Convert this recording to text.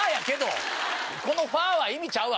このファー！は意味ちゃうわ